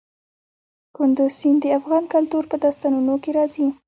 کندز سیند د افغان کلتور په داستانونو کې راځي.